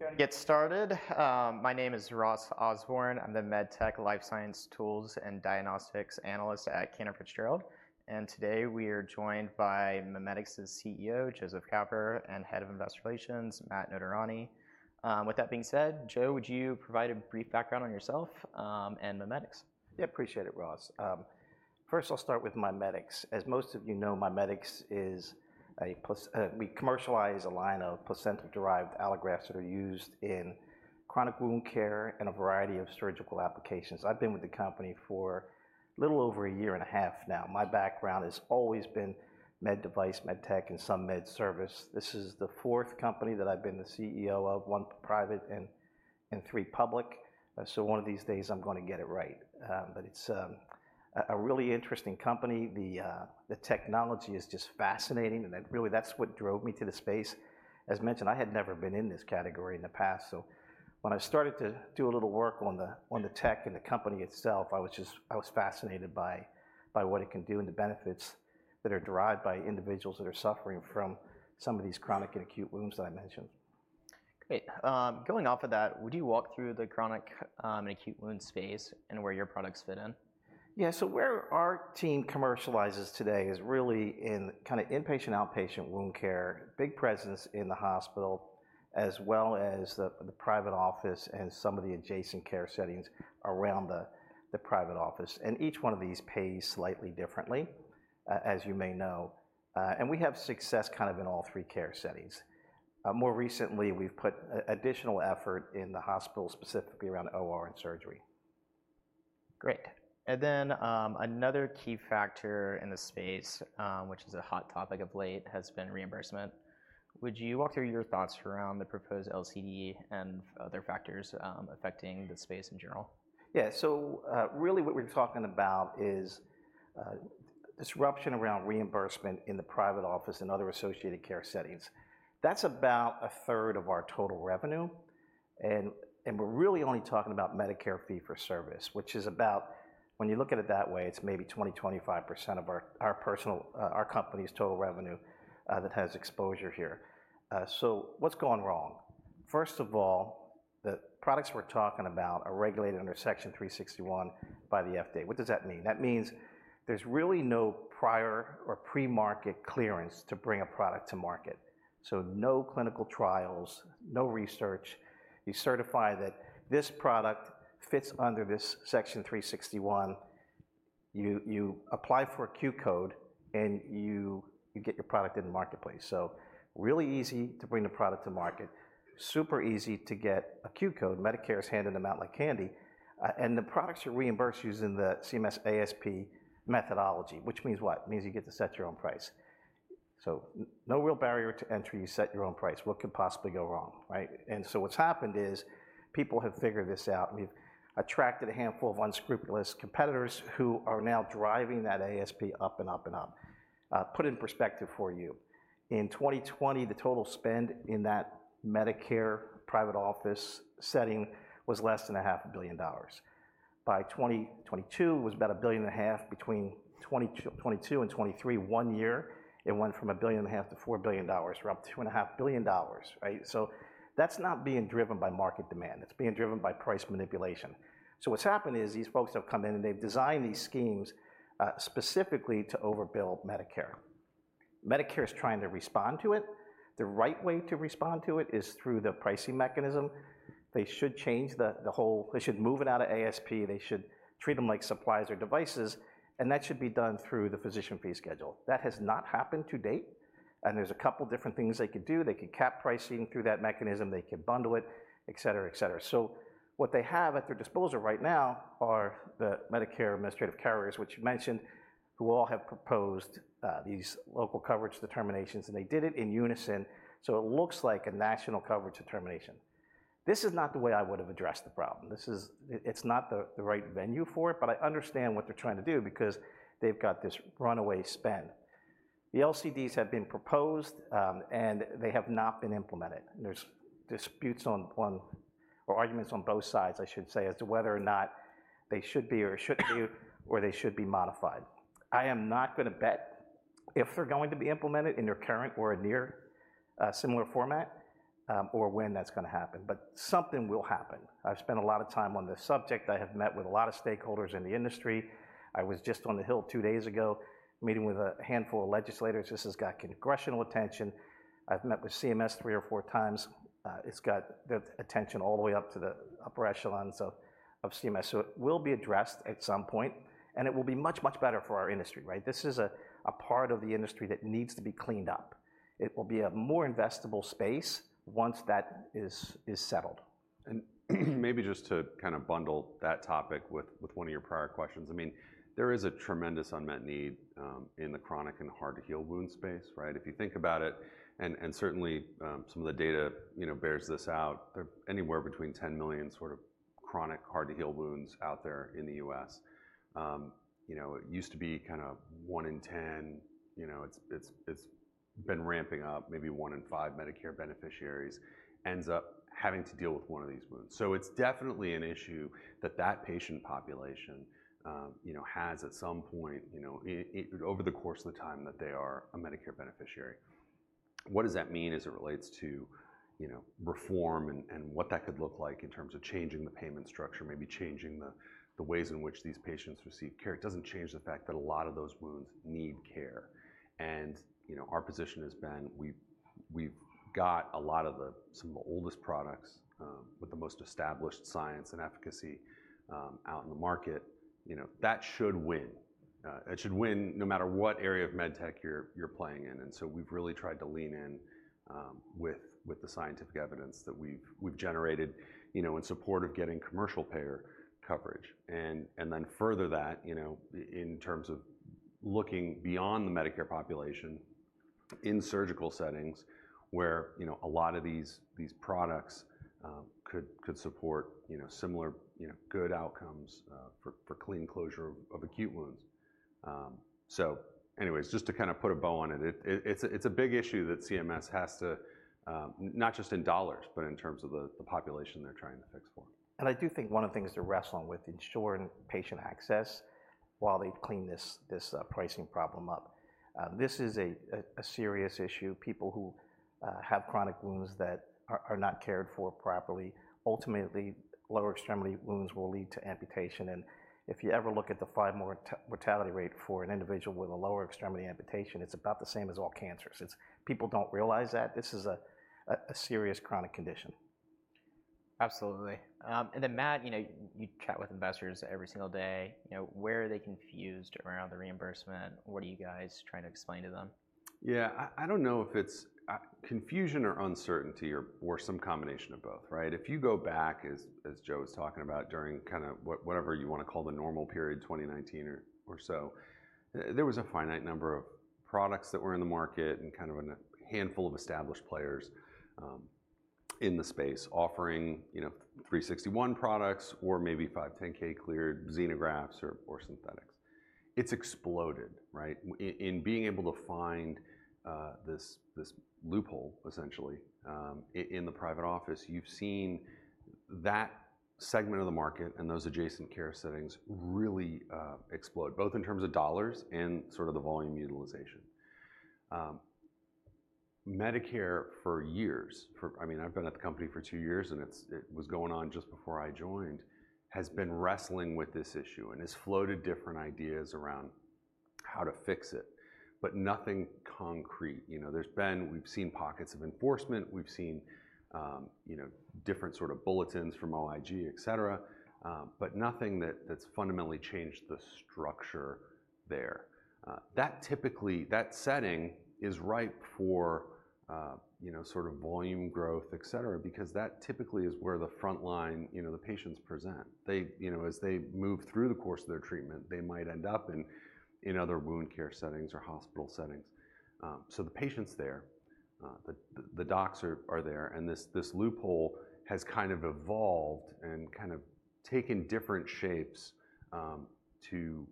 All right, let's go ahead and get started. My name is Ross Osborn. I'm the med tech life science tools and diagnostics analyst at Cantor Fitzgerald, and today we are joined by MiMedx's CEO, Joseph Capper, and head of investor relations, Matt Notarianni. With that being said, Joe, would you provide a brief background on yourself, and MiMedx? Yeah, appreciate it, Ross. First, I'll start with MiMedx. As most of you know, MiMedx is a plus, we commercialize a line of placenta-derived allografts that are used in chronic wound care and a variety of surgical applications. I've been with the company for little over a year and a half now. My background has always been med device, med tech, and some med service. This is the fourth company that I've been the CEO of, one private and three public. So one of these days I'm gonna get it right. But it's a really interesting company. The technology is just fascinating, and that really, that's what drove me to the space. As mentioned, I had never been in this category in the past, so when I started to do a little work on the tech and the company itself, I was just fascinated by what it can do and the benefits that are derived by individuals that are suffering from some of these chronic and acute wounds that I mentioned. Great. Going off of that, would you walk through the chronic, and acute wound space and where your products fit in? Yeah. So where our team commercializes today is really in kinda inpatient/outpatient wound care, big presence in the hospital, as well as the private office and some of the adjacent care settings around the private office, and each one of these pays slightly differently, as you may know. And we have success kind of in all three care settings. More recently, we've put additional effort in the hospital, specifically around OR and surgery. Great. And then, another key factor in the space, which is a hot topic of late, has been reimbursement. Would you walk through your thoughts around the proposed LCD and other factors, affecting the space in general? Yeah, so really what we're talking about is disruption around reimbursement in the private office and other associated care settings. That's about a third of our total revenue, and we're really only talking about Medicare fee-for-service, which is about... When you look at it that way, it's maybe 20%-25% of our personal our company's total revenue that has exposure here. So what's gone wrong? First of all, the products we're talking about are regulated under Section 361 by the FDA. What does that mean? That means there's really no prior or pre-market clearance to bring a product to market, so no clinical trials, no research. You certify that this product fits under this Section 361. You apply for a Q code, and you get your product in the marketplace, so really easy to bring the product to market, super easy to get a Q code. Medicare's handing them out like candy, and the products are reimbursed using the CMS ASP methodology, which means what? It means you get to set your own price. So no real barrier to entry. You set your own price. What could possibly go wrong, right, and so what's happened is people have figured this out, and we've attracted a handful of unscrupulous competitors who are now driving that ASP up and up and up. Put it in perspective for you. In 2020, the total spend in that Medicare private office setting was less than $500 million. By 2022, it was about $1.5 billion. Between 2022 and 2023, one year, it went from $1.5 billion to $4 billion, or up $2.5 billion, right? So that's not being driven by market demand. It's being driven by price manipulation. So what's happened is, these folks have come in, and they've designed these schemes specifically to overbill Medicare. Medicare is trying to respond to it. The right way to respond to it is through the pricing mechanism. They should change the whole. They should move it out of ASP, they should treat them like supplies or devices, and that should be done through the Physician Fee Schedule. That has not happened to date, and there's a couple different things they could do. They could cap pricing through that mechanism. They could bundle it, et cetera, et cetera. What they have at their disposal right now are the Medicare administrative carriers, which you mentioned, who all have proposed these local coverage determinations, and they did it in unison, so it looks like a national coverage determination. This is not the way I would've addressed the problem. This is. It's not the right venue for it, but I understand what they're trying to do because they've got this runaway spend. The LCDs have been proposed, and they have not been implemented, and there's disputes on one or arguments on both sides, I should say, as to whether or not they should be or shouldn't be or they should be modified. I am not gonna bet if they're going to be implemented in their current or a near, similar format, or when that's gonna happen, but something will happen. I've spent a lot of time on this subject. I have met with a lot of stakeholders in the industry. I was just on the Hill two days ago, meeting with a handful of legislators. This has got congressional attention. I've met with CMS three or four times. It's got the attention all the way up to the upper echelons of CMS, so it will be addressed at some point, and it will be much, much better for our industry, right? This is a part of the industry that needs to be cleaned up. It will be a more investable space once that is settled. Maybe just to kind of bundle that topic with one of your prior questions. I mean, there is a tremendous unmet need in the chronic and hard-to-heal wound space, right? If you think about it, and certainly some of the data, you know, bears this out. There are anywhere between 10 million sort of chronic, hard-to-heal wounds out there in the U.S. You know, it used to be kind of one in ten. You know, it's been ramping up. Maybe one in five Medicare beneficiaries ends up having to deal with one of these wounds. So it's definitely an issue that patient population, you know, has at some point, you know, over the course of the time that they are a Medicare beneficiary. What does that mean as it relates to, you know, reform and what that could look like in terms of changing the payment structure, maybe changing the ways in which these patients receive care? It doesn't change the fact that a lot of those wounds need care. You know, our position has been we've got a lot of some of the oldest products with the most established science and efficacy out in the market. You know, that should win. It should win no matter what area of med tech you're playing in, and so we've really tried to lean in with the scientific evidence that we've generated, you know, in support of getting commercial payer coverage. Then further that, you know, in terms of looking beyond the Medicare population in surgical settings, where, you know, a lot of these products could support, you know, similar, you know, good outcomes for clean closure of acute wounds. So anyways, just to kinda put a bow on it, it's a big issue that CMS has to. Not just in dollars, but in terms of the population they're trying to fix for. I do think one of the things to wrestle with ensuring patient access while they clean this pricing problem up. This is a serious issue. People who have chronic wounds that are not cared for properly, ultimately, lower extremity wounds will lead to amputation. And if you ever look at the five-year mortality rate for an individual with a lower extremity amputation, it's about the same as all cancers. It's. People don't realize that. This is a serious chronic condition. Absolutely. And then, Matt, you know, you chat with investors every single day. You know, where are they confused around the reimbursement? What are you guys trying to explain to them? Yeah, I don't know if it's confusion or uncertainty or some combination of both, right? If you go back, as Joe was talking about, during kinda whatever you wanna call the normal period, 2019 or so, there was a finite number of products that were in the market and kind of a handful of established players in the space offering, you know, 361 products or maybe five, 510(k) cleared xenografts or synthetics. It's exploded, right? In being able to find this loophole, essentially, in the private office, you've seen that segment of the market and those adjacent care settings really explode, both in terms of dollars and sort of the volume utilization. Medicare for years, for... I mean, I've been at the company for two years, and it's - it was going on just before I joined, has been wrestling with this issue and has floated different ideas around how to fix it, but nothing concrete. You know, there's been, we've seen pockets of enforcement, we've seen, you know, different sort of bulletins from OIG, et cetera, but nothing that, that's fundamentally changed the structure there. That typically, that setting is ripe for, you know, sort of volume growth, et cetera, because that typically is where the front line, you know, the patients present. They, you know, as they move through the course of their treatment, they might end up in other wound care settings or hospital settings. The patient's there, the docs are there, and this loophole has kind of evolved and kind of taken different shapes, to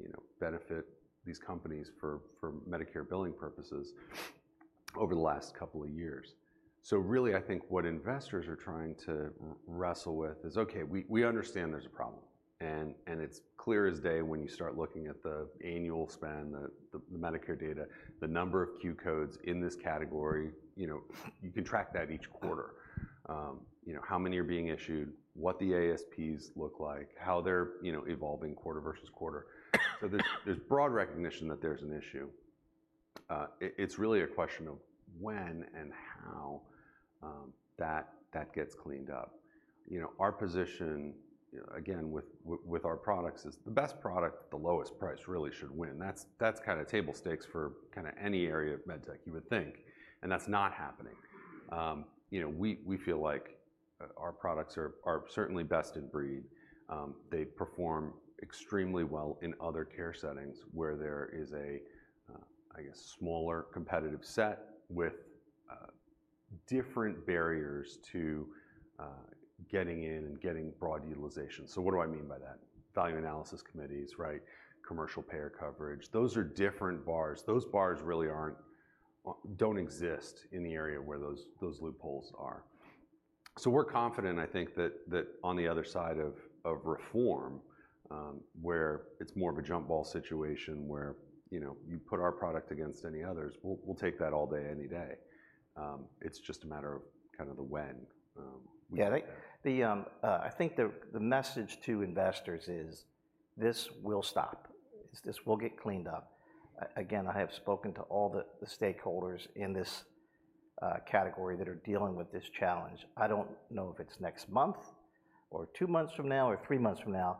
you know benefit these companies for Medicare billing purposes over the last couple of years. So really, I think what investors are trying to wrestle with is, okay, we understand there's a problem, and it's clear as day when you start looking at the annual spend, the Medicare data, the number of Q codes in this category, you know you can track that each quarter. You know how many are being issued, what the ASPs look like, how they're you know evolving quarter versus quarter. So there's broad recognition that there's an issue. It's really a question of when and how that gets cleaned up. You know, our position, again, with our products is the best product at the lowest price really should win. That's kinda table stakes for kinda any area of med tech, you would think, and that's not happening. You know, we feel like our products are certainly best in breed. They perform extremely well in other care settings where there is a I guess, smaller competitive set with different barriers to getting in and getting broad utilization. So what do I mean by that? Value analysis committees, right? Commercial payer coverage. Those are different bars. Those bars really don't exist in the area where those loopholes are. So we're confident, I think, that on the other side of reform, where it's more of a jump ball situation, where, you know, you put our product against any others, we'll take that all day, any day. It's just a matter of kind of the when, we get there. Yeah, I think the message to investors is, this will stop. This will get cleaned up. Again, I have spoken to all the stakeholders in this category that are dealing with this challenge. I don't know if it's next month or two months from now or three months from now,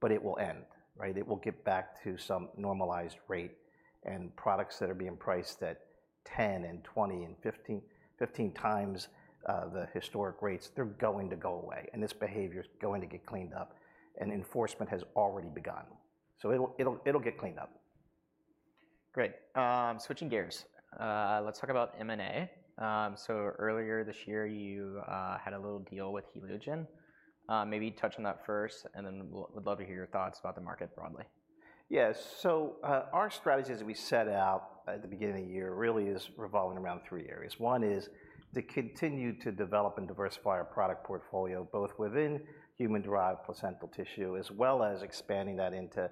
but it will end, right? It will get back to some normalized rate, and products that are being priced at 10, 20, and 15x the historic rates, they're going to go away, and this behavior is going to get cleaned up, and enforcement has already begun. So it'll get cleaned up. Great. Switching gears, let's talk about M&A. So earlier this year, you had a little deal with HELIOGEN. Maybe touch on that first, and then would love to hear your thoughts about the market broadly. Yeah, so, our strategy as we set out at the beginning of the year really is revolving around three areas. One is to continue to develop and diversify our product portfolio, both within human-derived placental tissue, as well as expanding that into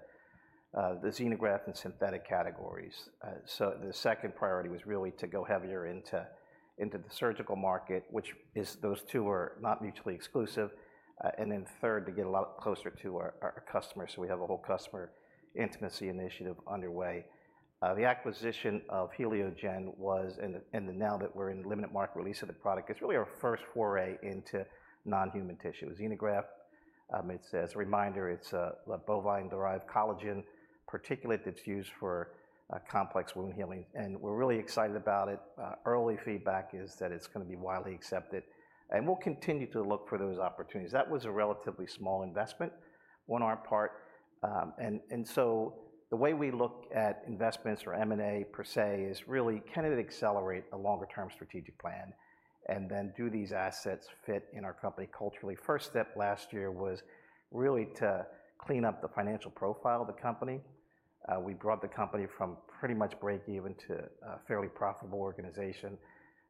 the xenograft and synthetic categories. So the second priority was really to go heavier into the surgical market, which is those two are not mutually exclusive. And then third, to get a lot closer to our customers, so we have a whole customer intimacy initiative underway. The acquisition of HELIOGEN was, and now that we're in limited market release of the product, it's really our first foray into non-human tissue. Xenograft, it's as a reminder, it's a bovine-derived collagen particulate that's used for complex wound healing, and we're really excited about it. Early feedback is that it's gonna be widely accepted, and we'll continue to look for those opportunities. That was a relatively small investment on our part. So the way we look at investments or M&A per se is really can it accelerate a longer-term strategic plan, and then do these assets fit in our company culturally? First step last year was really to clean up the financial profile of the company. We brought the company from pretty much break even to a fairly profitable organization,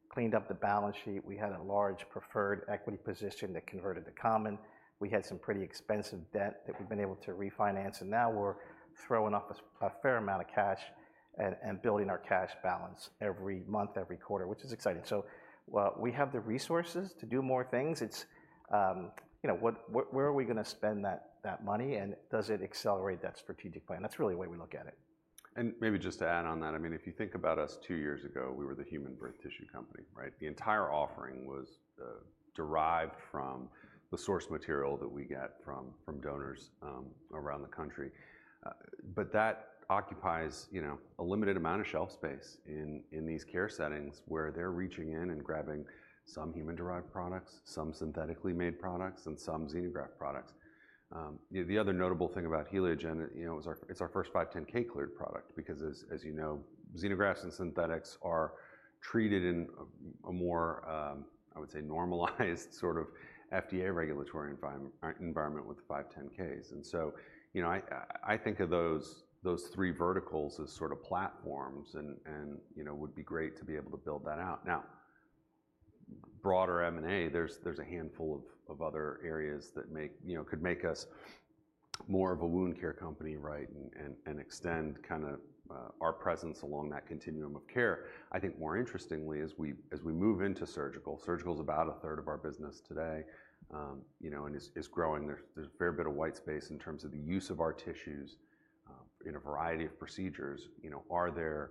cleaned up the balance sheet. We had a large preferred equity position that converted to common. We had some pretty expensive debt that we've been able to refinance, and now we're throwing off a fair amount of cash and building our cash balance every month, every quarter, which is exciting. So, we have the resources to do more things. It's, you know, what, where are we gonna spend that money, and does it accelerate that strategic plan? That's really the way we look at it. Maybe just to add on that, I mean, if you think about us two years ago, we were the human birth tissue company, right? The entire offering was derived from the source material that we get from donors around the country. But that occupies, you know, a limited amount of shelf space in these care settings, where they're reaching in and grabbing some human-derived products, some synthetically made products, and some xenograft products. The other notable thing about HELIOGEN, you know, it's our first 510(k) cleared product because as you know, xenografts and synthetics are treated in a more normalized sort of FDA regulatory environment with the 510(k)s. And so, you know, I think of those three verticals as sort of platforms and you know, would be great to be able to build that out. Now, broader M&A, there's a handful of other areas. You know, could make us more of a wound care company, right? And extend kinda our presence along that continuum of care. I think more interestingly, as we move into surgical, surgical's about a third of our business today, you know, and is growing. There's a fair bit of white space in terms of the use of our tissues in a variety of procedures. You know, are there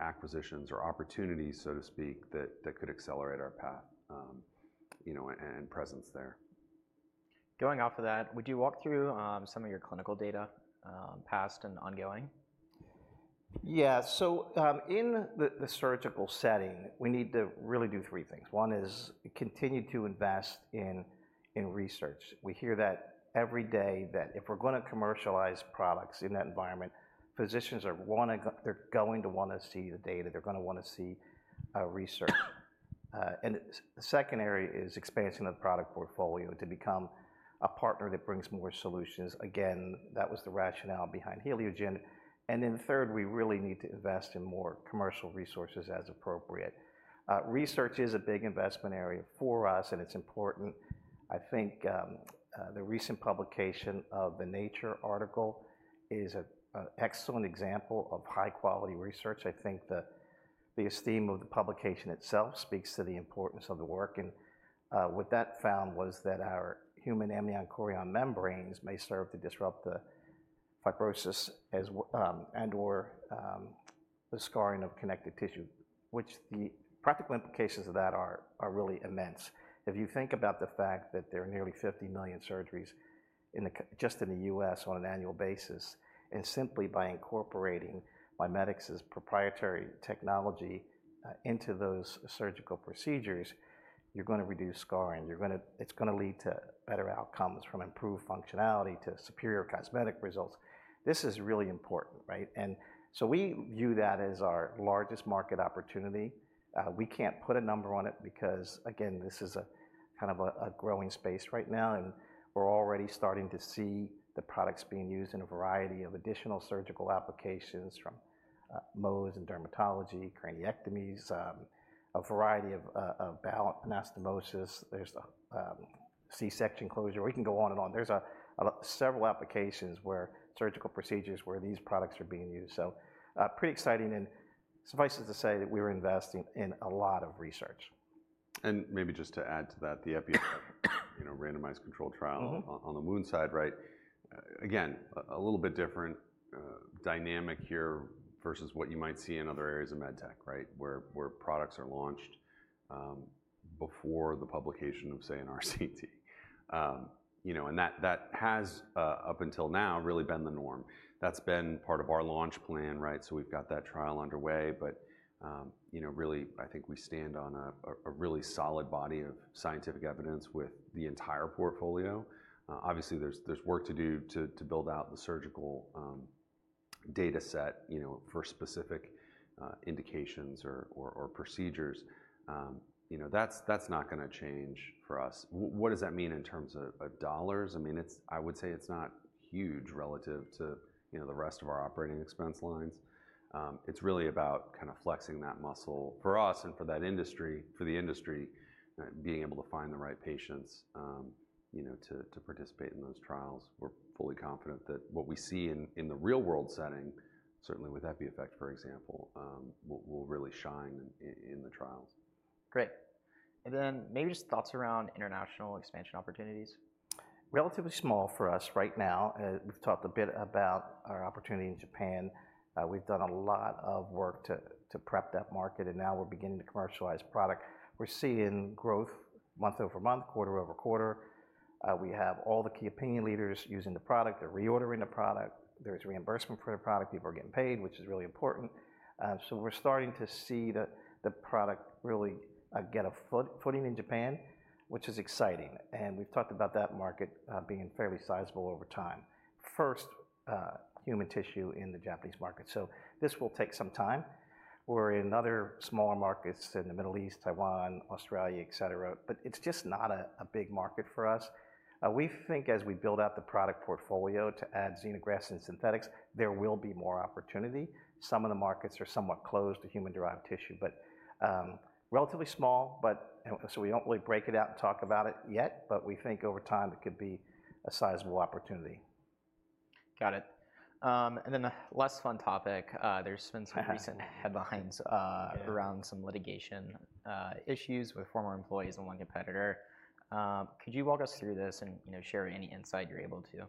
acquisitions or opportunities, so to speak, that could accelerate our path, you know, and presence there. Going off of that, would you walk through some of your clinical data, past and ongoing? Yeah. So, in the surgical setting, we need to really do three things. One is continue to invest in research. We hear that every day, that if we're gonna commercialize products in that environment, physicians they're going to wanna see the data, they're gonna wanna see research. And secondary is expanding the product portfolio to become a partner that brings more solutions. Again, that was the rationale behind HELIOGEN. And then third, we really need to invest in more commercial resources as appropriate. Research is a big investment area for us, and it's important. I think, the recent publication of the Nature article is an excellent example of high-quality research. I think the esteem of the publication itself speaks to the importance of the work, and what that found was that our human amnion chorion membranes may serve to disrupt the fibrosis and/or the scarring of connective tissue, which the practical implications of that are really immense. If you think about the fact that there are nearly 50 million surgeries just in the U.S. on an annual basis, and simply by incorporating MiMedx's proprietary technology into those surgical procedures, you're gonna reduce scarring. It's gonna lead to better outcomes, from improved functionality to superior cosmetic results. This is really important, right? And so we view that as our largest market opportunity. We can't put a number on it because, again, this is a kind of a growing space right now, and we're already starting to see the products being used in a variety of additional surgical applications, from Mohs and dermatology, craniectomies, a variety of of bowel anastomosis. There's C-section closure. We can go on and on. There's a several applications where surgical procedures, where these products are being used. So, pretty exciting, and suffices to say that we are investing in a lot of research. Maybe just to add to that, the EpiFix, you know, randomized controlled trial. On the wound side, right? Again, a little bit different dynamic here versus what you might see in other areas of med tech, right? Where products are launched before the publication of, say, an RCT. You know, and that has up until now really been the norm. That's been part of our launch plan, right? So we've got that trial underway, but you know, really, I think we stand on a really solid body of scientific evidence with the entire portfolio. Obviously, there's work to do to build out the surgical portfolio data set, you know, for specific indications or procedures. You know, that's not gonna change for us. What does that mean in terms of dollars? I mean, it's- I would say it's not huge relative to, you know, the rest of our operating expense lines. It's really about kind of flexing that muscle for us and for that industry, being able to find the right patients, you know, to participate in those trials. We're fully confident that what we see in the real-world setting, certainly with EpiFix, for example, will really shine in the trials. Great. And then maybe just thoughts around international expansion opportunities. Relatively small for us right now. We've talked a bit about our opportunity in Japan. We've done a lot of work to prep that market, and now we're beginning to commercialize product. We're seeing growth month over month, quarter over quarter. We have all the key opinion leaders using the product. They're reordering the product. There's reimbursement for the product. People are getting paid, which is really important. So we're starting to see the product really get a footing in Japan, which is exciting, and we've talked about that market being fairly sizable over time. First human tissue in the Japanese market, so this will take some time. We're in other smaller markets in the Middle East, Taiwan, Australia, et cetera, but it's just not a big market for us. We think as we build out the product portfolio to add xenografts and synthetics, there will be more opportunity. Some of the markets are somewhat closed to human-derived tissue, but relatively small, so we don't really break it out and talk about it yet, but we think over time it could be a sizable opportunity. Got it. And then a less fun topic. There's been some recent headlines around some litigation issues with former employees and one competitor. Could you walk us through this and, you know, share any insight you're able to?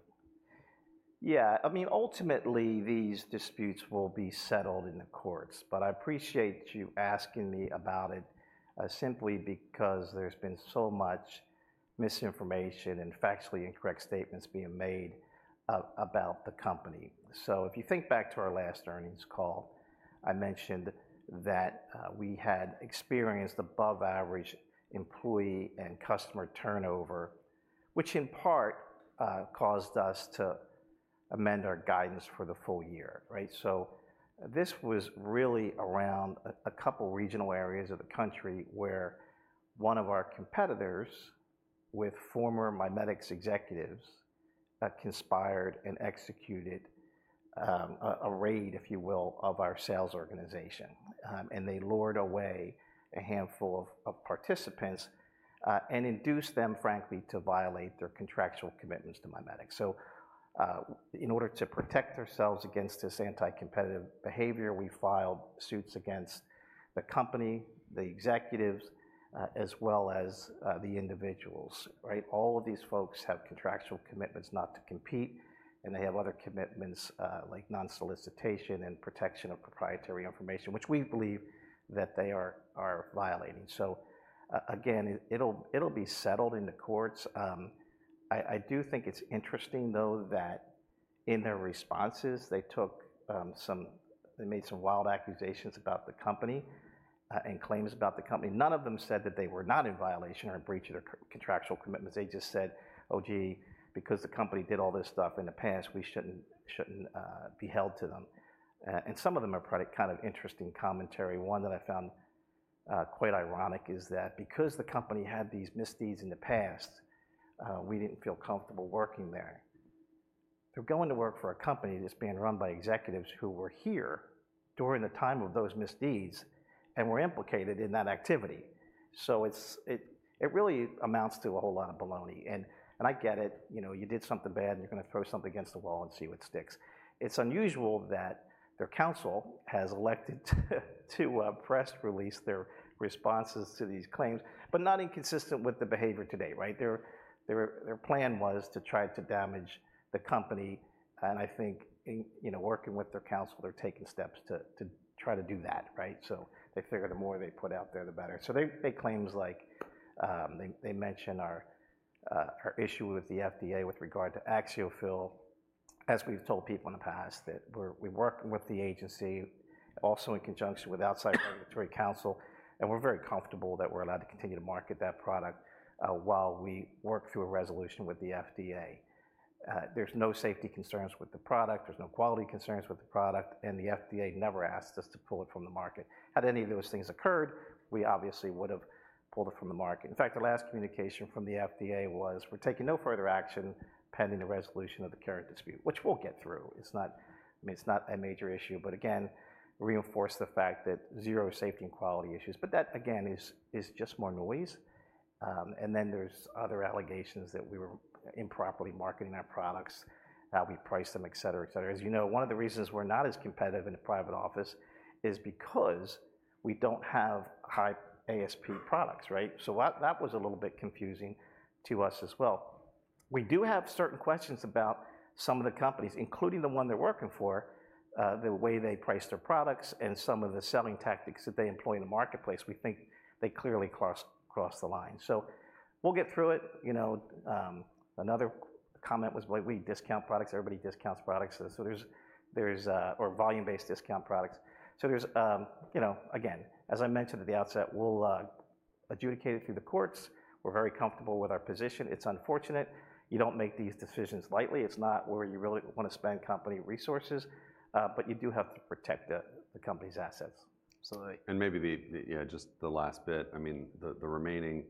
Yeah. I mean, ultimately, these disputes will be settled in the courts, but I appreciate you asking me about it, simply because there's been so much misinformation and factually incorrect statements being made about the company. So if you think back to our last earnings call, I mentioned that we had experienced above average employee and customer turnover, which in part caused us to amend our guidance for the full year, right? So this was really around a couple regional areas of the country where one of our competitors, with former MiMedx executives, conspired and executed a raid, if you will, of our sales organization, and they lured away a handful of participants and induced them, frankly, to violate their contractual commitments to MiMedx. In order to protect ourselves against this anti-competitive behavior, we filed suits against the company, the executives, as well as the individuals, right? All of these folks have contractual commitments not to compete, and they have other commitments, like non-solicitation and protection of proprietary information, which we believe that they are violating. So, again, it'll be settled in the courts. I do think it's interesting, though, that in their responses, they took some... They made some wild accusations about the company, and claims about the company. None of them said that they were not in violation or in breach of their contractual commitments. They just said, "Oh, gee, because the company did all this stuff in the past, we shouldn't be held to them." And some of them are pretty kind of interesting commentary. One that I found quite ironic is that because the company had these misdeeds in the past, we didn't feel comfortable working there. They're going to work for a company that's being run by executives who were here during the time of those misdeeds and were implicated in that activity. So it's really amounts to a whole lot of baloney, and I get it. You know, you did something bad, and you're gonna throw something against the wall and see what sticks. It's unusual that their counsel has elected to press release their responses to these claims, but not inconsistent with the behavior today, right? Their plan was to try to damage the company, and I think in, you know, working with their counsel, they're taking steps to try to do that, right? So they figure the more they put out there, the better. So they make claims like... They mention our issue with the FDA with regard to AXIOFILL. As we've told people in the past, that we're working with the agency, also in conjunction with outside regulatory counsel, and we're very comfortable that we're allowed to continue to market that product while we work through a resolution with the FDA. There's no safety concerns with the product, there's no quality concerns with the product, and the FDA never asked us to pull it from the market. Had any of those things occurred, we obviously would've pulled it from the market. In fact, the last communication from the FDA was, "We're taking no further action, pending the resolution of the current dispute," which we'll get through. It's not, I mean, it's not a major issue, but again, reinforce the fact that zero safety and quality issues. But that, again, is just more noise. And then there's other allegations that we were improperly marketing our products, we priced them, et cetera, et cetera. As you know, one of the reasons we're not as competitive in a private office is because we don't have high ASP products, right? So that, that was a little bit confusing to us as well. We do have certain questions about some of the companies, including the one they're working for, the way they price their products and some of the selling tactics that they employ in the marketplace. We think they clearly crossed the line, so we'll get through it, you know. Another comment was, well, we discount products. Everybody discounts products, so there's or volume-based discount products. You know, again, as I mentioned at the outset, we'll adjudicate it through the courts. We're very comfortable with our position. It's unfortunate. You don't make these decisions lightly. It's not where you really wanna spend company resources, but you do have to protect the company's assets. Absolutely. Maybe just the last bit. I mean, the remaining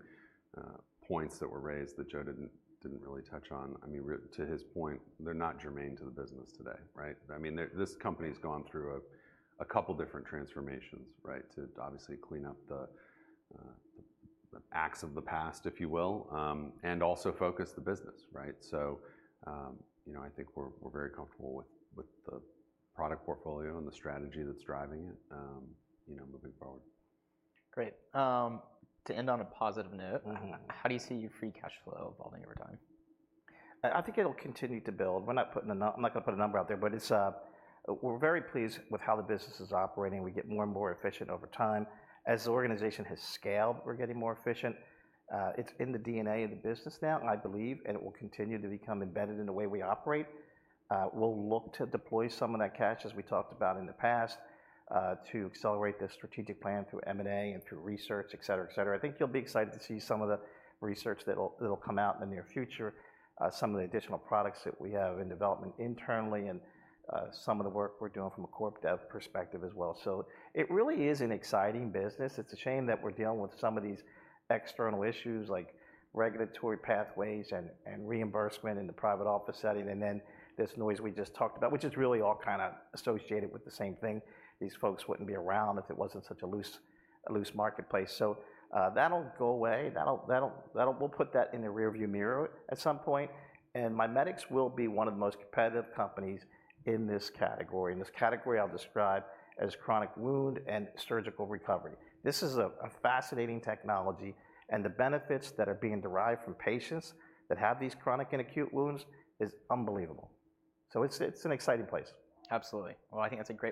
points that were raised that Joe didn't really touch on. I mean, to his point, they're not germane to the business today, right? I mean, this company's gone through a couple different transformations, right? To obviously clean up the acts of the past, if you will, and also focus the business, right? So, you know, I think we're very comfortable with the product portfolio and the strategy that's driving it, you know, moving forward. Great. To end on a positive note- Mm-hmm. How do you see your free cash flow evolving over time? I think it'll continue to build. We're not putting a - I'm not gonna put a number out there, but it's... We're very pleased with how the business is operating. We get more and more efficient over time. As the organization has scaled, we're getting more efficient. It's in the DNA of the business now, I believe, and it will continue to become embedded in the way we operate. We'll look to deploy some of that cash, as we talked about in the past, to accelerate the strategic plan through M&A and through research, et cetera, et cetera. I think you'll be excited to see some of the research that'll come out in the near future, some of the additional products that we have in development internally, and some of the work we're doing from a corp dev perspective as well. It really is an exciting business. It's a shame that we're dealing with some of these external issues like regulatory pathways and reimbursement in the private office setting, and then this noise we just talked about, which is really all kind of associated with the same thing. These folks wouldn't be around if it wasn't such a loose marketplace. So, that'll go away. We'll put that in the rearview mirror at some point, and MiMedx will be one of the most competitive companies in this category, and this category I'll describe as chronic wound and surgical recovery. This is a fascinating technology, and the benefits that are being derived from patients that have these chronic and acute wounds is unbelievable. So it's an exciting place. Absolutely. Well, I think that's a great..